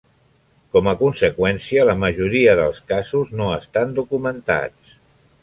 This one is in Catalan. Com a conseqüència, la majoria dels casos no estan documentats.